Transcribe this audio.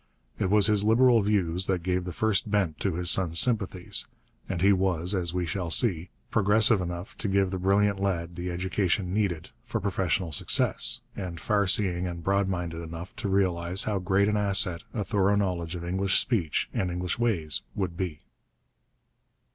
It was his liberal views that gave the first bent to his son's sympathies; and he was, as we shall see, progressive enough to give the brilliant lad the education needed for professional success, and far seeing and broad minded enough to realize how great an asset a thorough knowledge of English speech and English ways would be.